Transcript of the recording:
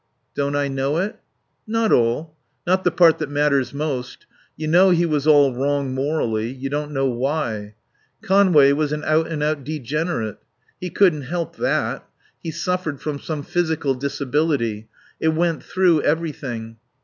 "Don't I know it?" "Not all. Not the part that matters most. You know he was all wrong morally. You don't know why.... Conway was an out and out degenerate. He couldn't help that. He suffered from some physical disability. It went through everything.